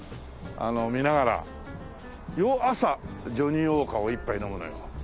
見ながら朝ジョニーウォーカーを１杯飲むのよ。